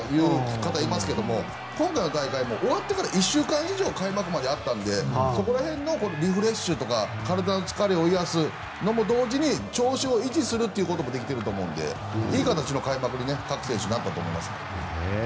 今回の大会終わってから１週間以上開幕まであったのでそこら辺のリフレッシュとか体の疲れを癒やすのも同時に調子を維持することもできていると思うのでいい形の開幕に各選手、なったと思います。